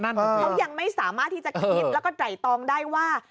เขายังไม่สามารถที่จะคิดแล้วก็ไตรตองได้ว่า